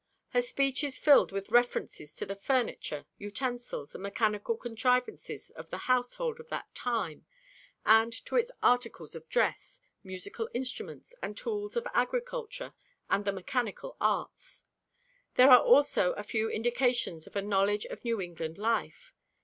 Her speech is filled with references to the furniture, utensils and mechanical contrivances of the household of that time, and to its articles of dress, musical instruments, and tools of agriculture and the mechanical arts. There are also a few indications of a knowledge of New England life.